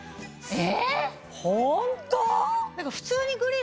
え！